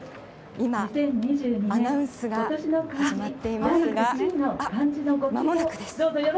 今、アナウンスが始まっていますが、あっ、まもなくです。